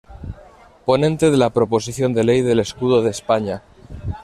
Ponente de la Proposición de Ley del Escudo de España.